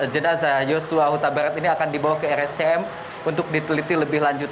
jenazah yosua huta barat ini akan dibawa ke rscm untuk diteliti lebih lanjut